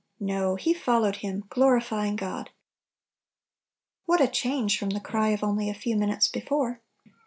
No; he "followed ; Him, glorifying God." What a change from the cry of only a few minutes be fore